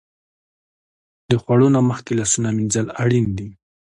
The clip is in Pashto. د خوړو نه مخکې لاسونه مینځل اړین دي.